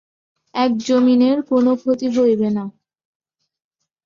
একজামিনের কোনো ক্ষতি হইবে না।